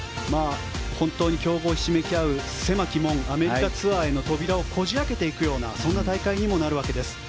本当に競合ひしめき合う狭いもんアメリカツアーへの扉をこじ開けていくようなそんな大会にもなるわけです。